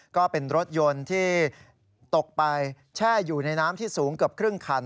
ก็เป็นรถยนต์ที่ตกไปแช่อยู่ในน้ำที่สูงเกือบครึ่งคัน